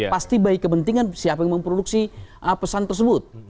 pasti baik kepentingan siapa yang memproduksi pesan tersebut